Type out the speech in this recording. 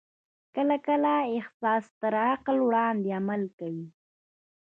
کله کله احساس تر عقل وړاندې عمل کوي.